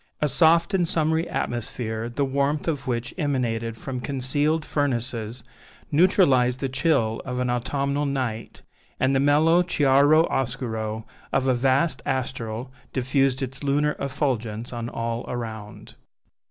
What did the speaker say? A soft and summery atmosphere, the warmth of which emanated from concealed furnaces, neutralized the chill of an autumnal night, and the mellow chiaro oscuro of a vast astral diffused its lunar effulgence on all around.